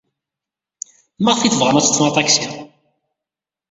Maɣef ay tebɣam ad teḍḍfem aṭaksi?